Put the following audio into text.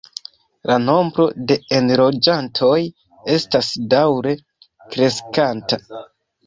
La nombro de enloĝantoj estas daŭre kreskanta.